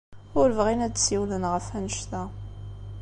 Ur bɣin ad d-ssiwlen ɣef wanect-a.